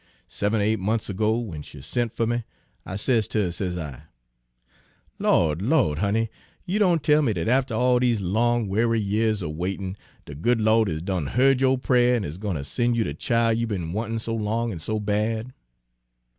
Seven er eight mont's ago, w'en she sent fer me, I says ter her, says I: "'Lawd, Lawd, honey! You don' tell me dat after all dese long w'ary years er waitin' de good Lawd is done heared yo' prayer an' is gwine ter sen' you de chile you be'n wantin' so long an' so bad?